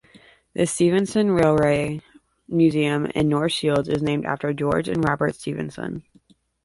The Stephenson Railway Museum in North Shields is named after George and Robert Stephenson.